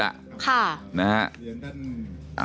อ่ะค่ะนะฮะ